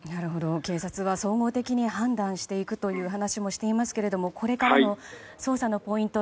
警察は総合的に判断していくという話もしていますけれどもこれからの捜査のポイント